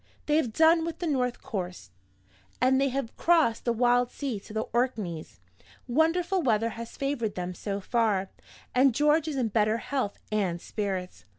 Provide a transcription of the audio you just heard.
They have done with the north coast and they have crossed the wild sea to the Orkneys. Wonderful weather has favored them so far; and George is in better health and spirits.